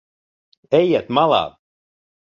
Ejiet malā.